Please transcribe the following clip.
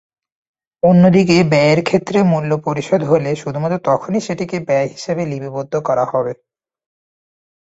অন্যদিকে ব্যয়ের ক্ষেত্রে মূল্য পরিশোধ হলে শুধুমাত্র তখনই সেটিকে ব্যয় হিসেবে লিপিবদ্ধ করা হবে।